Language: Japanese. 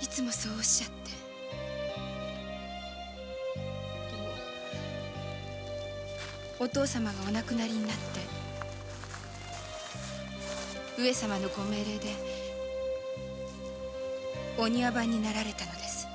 いつもそうおっしゃってでもお父様がお亡くなりになって上様の御命令でお庭番になられたのです。